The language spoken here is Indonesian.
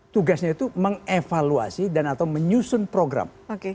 tugasnya itu mengevaluasi dan atau menyusun program